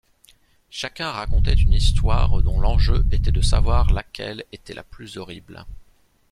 Chacun racontait une histoire dont l'enjeu était de savoir laquelle était la plus horrible.